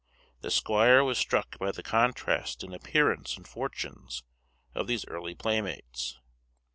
The squire was struck by the contrast in appearance and fortunes of these early playmates.